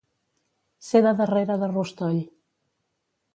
Ser de darrere de rostoll.